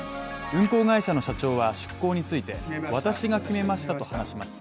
運航会社の社長は出港について私が決めましたと話します。